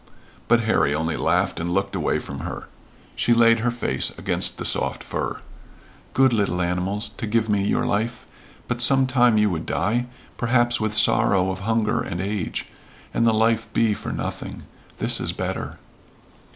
But Harry only laughed and looked away from her. She laid her face against the soft fur. "Good little animals to give me your life. But some time you would die perhaps with sorrow of hunger and age, and the life be for nothing. This is better."